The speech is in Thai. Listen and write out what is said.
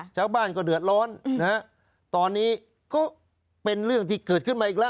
ชาวบ้านก็เดือดร้อนนะฮะตอนนี้ก็เป็นเรื่องที่เกิดขึ้นมาอีกแล้ว